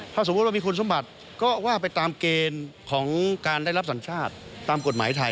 ถ้าสมมุติว่ามีคุณสมบัติก็ว่าไปตามเกณฑ์ของการได้รับสัญชาติตามกฎหมายไทย